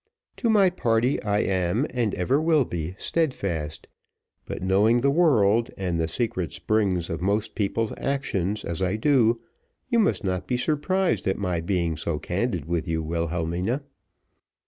To my party, I am, and ever will be steadfast; but knowing the world, and the secret springs of most people's actions, as I do, you must not be surprised at my being so candid with you, Wilhelmina.